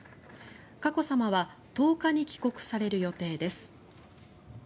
佳子さまは１０日に帰国される予定です。